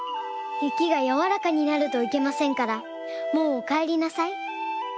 雪がやわらかになるといけませんからもうおかえりなさい。